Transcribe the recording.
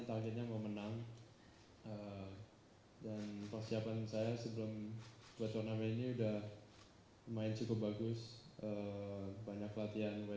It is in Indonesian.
targetnya memenang dan persiapan saya sebelum buat warna ini udah main cukup bagus banyak latihan